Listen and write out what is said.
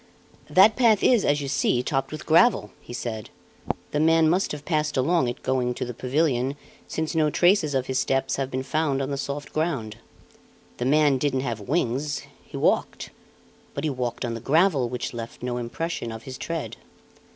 "That path is as you see, topped with gravel," he said; "the man must have passed along it going to the pavilion, since no traces of his steps have been found on the soft ground. The man didn't have wings; he walked; but he walked on the gravel which left no impression of his tread.